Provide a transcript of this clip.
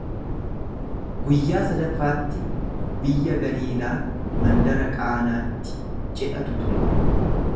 Guyyaa sadaffaatti biyya Galiilaa mandara Qaanaatti cidhatu ture.